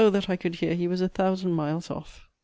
that I could hear he was a thousand miles off!